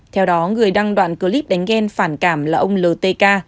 theo đó người đăng đoạn clip đánh ghen phản cảm là ông l t k